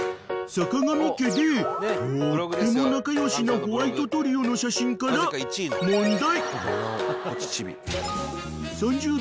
［さかがみ家でとっても仲良しなホワイトトリオの写真から問題］